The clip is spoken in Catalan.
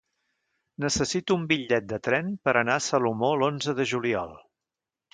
Necessito un bitllet de tren per anar a Salomó l'onze de juliol.